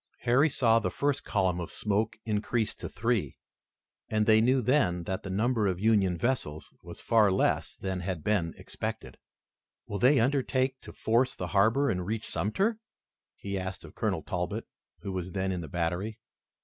Harry saw the first column of smoke increase to three, and they knew then that the number of the Union vessels was far less than had been expected. "Will they undertake to force the harbor and reach Sumter?" he asked of Colonel Talbot, who was then in the battery.